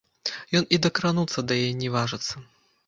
Ён і дакрануцца да яе не важыцца.